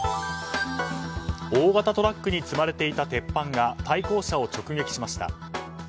大型トラックに積まれていた鉄板が対向車を直撃しました。